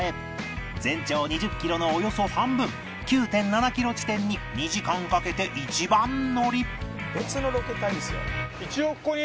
全長２０キロのおよそ半分 ９．７ キロ地点に２時間かけて一番乗り